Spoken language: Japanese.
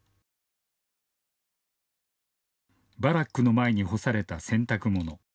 バラックの前に干された洗濯物。